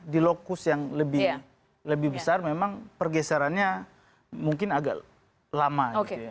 di lokus yang lebih besar memang pergeserannya mungkin agak lama gitu ya